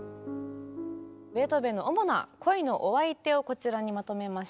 ベートーベンの主な恋のお相手をこちらにまとめました。